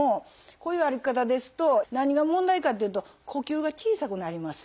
こういう歩き方ですと何が問題かっていうと呼吸が小さくなります。